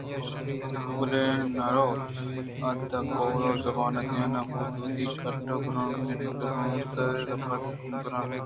بلے نہ رئوت عادت قول ءُ زُبان دِینہ بُو ءَ وتی کُٹّ ءِ گرٛئیوکیں نُنّک ءَ را گوٛشت اگاں تو پدا گرٛیت